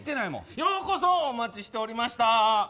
ようこそお待ちしておりました。